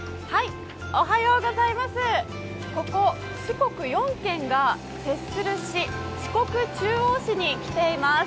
ここ四国４県が接する市、四国中央市に来ています。